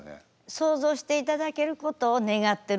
想像していただけることを願ってるんですね。